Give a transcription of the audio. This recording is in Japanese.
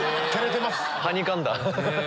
はにかんだ。